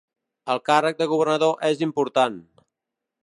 El càrrec de governador és important.